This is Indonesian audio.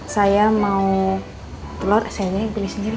saya mau telor saya beli sendiri